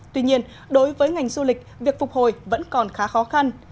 tuy nhiên đối với ngành du lịch việc phục hồi vẫn còn khá khó khăn